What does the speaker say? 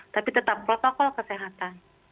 tetapi tetap protokol kesehatan